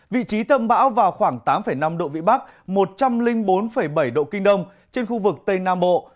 vị trí tâm bão vào khoảng tám năm độ vĩ bắc một trăm linh bốn bảy độ kinh đông trên khu vực tây nam bộ